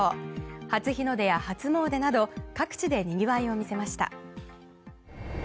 初日の出や初詣など各地でにぎわいを見せました。